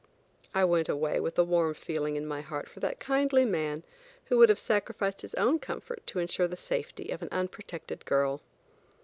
I went away with a warm feeling in my heart for that kindly man who would have sacrificed his own comfort to insure the safety of an unprotected girl.